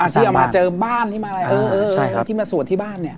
ที่เอามาเจอบ้านที่มาสวดที่บ้าน